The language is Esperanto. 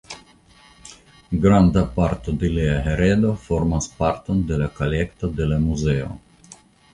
Granda parto de lia heredo formas parton de la kolekto de la Muzeo.